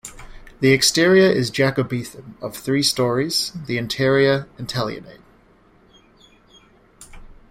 The exterior is Jacobethan, of three storeys, the interior Italianate.